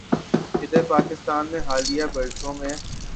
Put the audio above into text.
ادھر پاکستان میں حالیہ برسوں میں